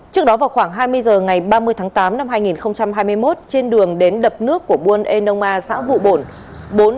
trước đó vào khoảng hai mươi h ngày ba mươi tháng tám năm hai nghìn hai mươi một trên đường đến đập nước của buôn eona xã vụ bổn